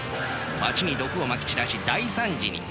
街に毒をまき散らし大惨事に。